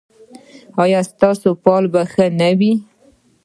ایا ستاسو فال به ښه نه وي؟